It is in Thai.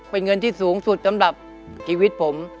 เป็นเงินที่สูงสุดสำหรับชีวิตผม